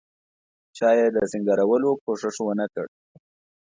چا یې د سینګارولو کوښښ ونکړ.